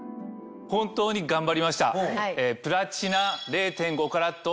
本当に頑張りました。